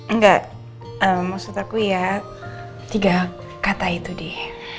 enggak maksud aku ya tiga kata itu deh